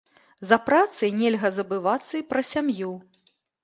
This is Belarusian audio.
За працай нельга забывацца і пра сям'ю.